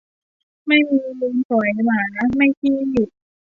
ไม่มีมูลฝอยหมาไม่ขี้